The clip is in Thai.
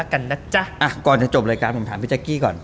ก่อนจะจบรายการผมถามพี่แจ๊กกี้ก่อน